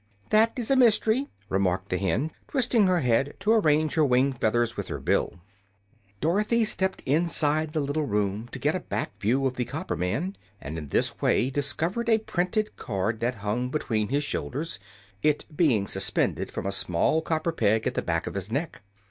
"That is a mystery," remarked the hen, twisting her head to arrange her wing feathers with her bill. Dorothy stepped inside the little room to get a back view of the copper man, and in this way discovered a printed card that hung between his shoulders, it being suspended from a small copper peg at the back of his neck.